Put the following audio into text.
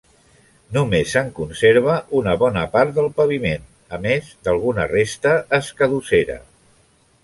Només se'n conserva una bona part del paviment, a més d'alguna resta escadussera.